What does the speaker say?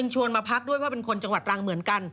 มาพักด้วยเพราะเป็นคนจังหวัดตรังเหมือนกัน